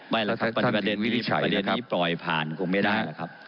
แหละครับประเด็นนี้ปล่อยผ่านคงไม่ได้แหละครับ